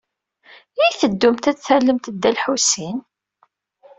I teddumt ad tallemt Dda Lḥusin?